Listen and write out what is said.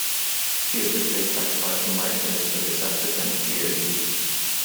He was replaced by Sparky Marcus for the subsequent series.